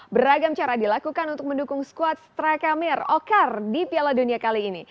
beragam cara dilakukan untuk mendukung squad strakamir ocar di piala dunia kali ini